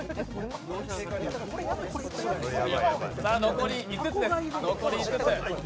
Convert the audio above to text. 残り５つです。